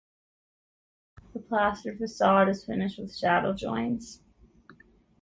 The plastered facade is finished with shadow joints.